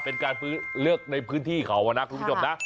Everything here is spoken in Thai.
เป็นการเลือกในพื้นที่เขานะคุณผู้ชมนะ